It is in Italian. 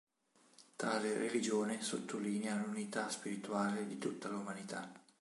Tale religione sottolinea l'unità spirituale di tutta l'umanità.